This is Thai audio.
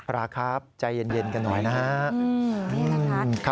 พระครับใจเย็นกันหน่อยนะฮะ